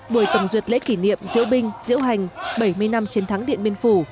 buổi tổng duyệt lễ kỷ niệm diễu binh diễu hành bảy mươi năm chiến thắng điện biên phủ